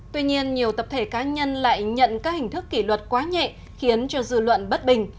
tuy nhiên nhiều tập thể cá nhân lại nhận các hình thức kỷ luật quá nhẹ khiến cho dư luận bất bình